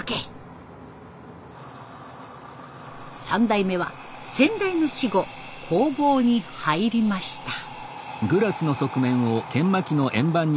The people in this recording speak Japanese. ３代目は先代の死後工房に入りました。